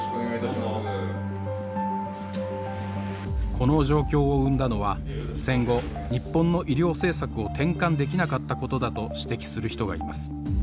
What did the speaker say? この状況を生んだのは戦後日本の医療政策を転換できなかったことだと指摘する人がいます。